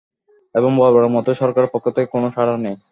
এবং বরাবরের মতোই সরকারের পক্ষ থেকে কোনো সাড়া নেই।